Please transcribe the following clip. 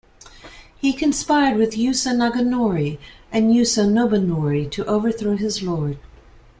He conspired with Yusa Naganori and Yusa Nobunori to overthrow his lord.